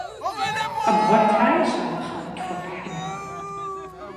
Къэбгъуэтаи щапхъэу къытхуэпхьын!